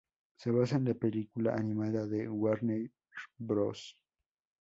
Se basa en la película animada de Warner Bros.